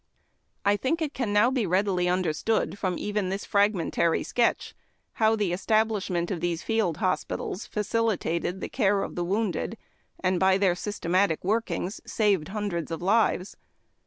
I think it can now be readily understood, from even this fragmentary sketch, hoAV the establishment of these field hospitals facilitated the care of the wounded, and, by their systematic workings, saved liundreds of lives.